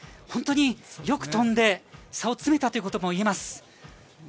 本当によく飛んで差を詰めたということもいえます。